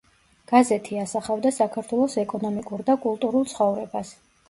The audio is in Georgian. გაზეთი ასახავდა საქართველოს ეკონომიკურ და კულტურულ ცხოვრებას.